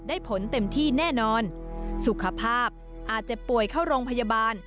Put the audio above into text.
ผลเต็มที่แน่นอนสุขภาพอาจจะป่วยเข้าโรงพยาบาล